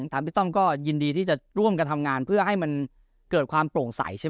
พี่ต้อมก็ยินดีที่จะร่วมกันทำงานเพื่อให้มันเกิดความโปร่งใสใช่ไหม